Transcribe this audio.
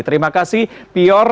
terima kasih pior